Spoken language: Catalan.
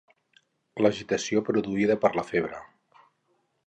L'agitació produïda per la febre.